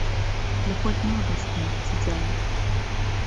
له خۆت نابهستم چ جار